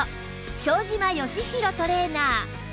庄島義博トレーナー